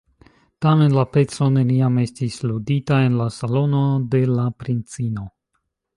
Tamen la peco neniam estis ludita en la salono de la princino.